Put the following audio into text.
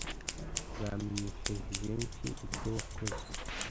Nzamenyesha Jivency ibyo wakoze.